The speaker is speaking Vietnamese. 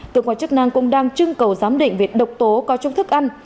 cơ quan chức năng cũng đang trưng cầu giám định việc độc tố cao trung thức ăn